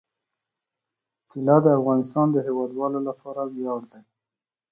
طلا د افغانستان د هیوادوالو لپاره ویاړ دی.